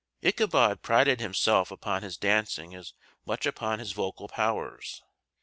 Ichabod prided himself upon his dancing as much as upon his vocal powers.